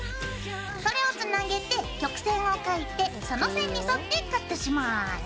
それをつなげて曲線を描いてその線に沿ってカットします。